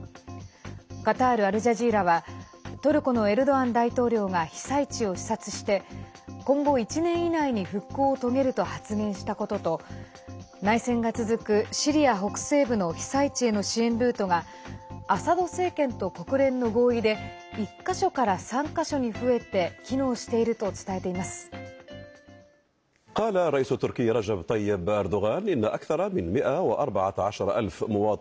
カタール・アルジャジーラはトルコのエルドアン大統領が被災地を視察して今後１年以内に復興を遂げると発言したことと内戦が続く、シリア北西部の被災地への支援ルートがアサド政権と国連の合意で１か所から３か所に増えて機能していると伝えています。